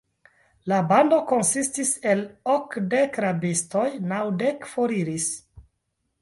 La bando konsistis el okdek rabistoj; naŭdek foriris!